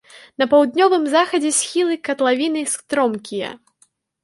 На паўднёвым захадзе схілы катлавіны стромкія.